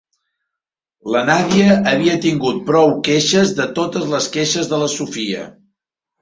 La Nadia havia tingut prou queixes de totes les queixes de la Sofia.